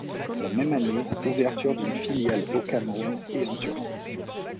La même année, ouverture d’une filiale au Cameroun et en Turquie.